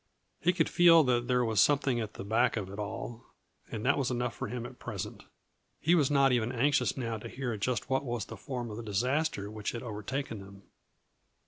He could feel that there was something at the back of it all, and that was enough for him at present. He was not even anxious now to hear just what was the form of the disaster which had overtaken them.